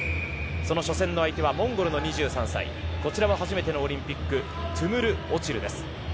その初戦の相手はモンゴルの２３歳こちらは初めてのオリンピックトゥムル・オチルです。